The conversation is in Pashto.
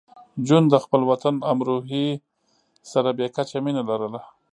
جون د خپل وطن امروهې سره بې کچه مینه لرله